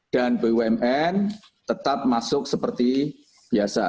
dan bumn tetap masuk seperti biasa